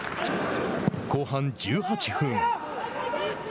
後半１８分。